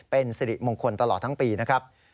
เป็นสิริมงคลตลอดทั้งปีนะครับ